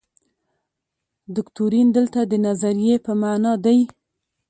دوکتورین دلته د نظریې په معنا دی.